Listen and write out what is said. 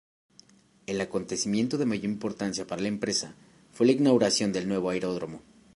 El acontecimiento de mayor importancia para la empresa fue la inauguración del nuevo aeródromo.